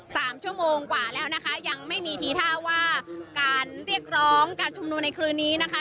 สามชั่วโมงกว่าแล้วนะคะยังไม่มีทีท่าว่าการเรียกร้องการชุมนุมในคืนนี้นะคะ